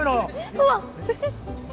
うわっ！